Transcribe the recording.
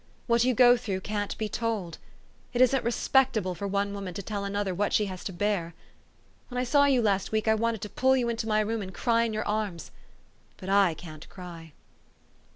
What you go through can't be told. It isn't respect able for one woman to tell another what she has to bear. When I saw you last week, I wanted to pull you into my room and cry in your arms ; but I can't cry."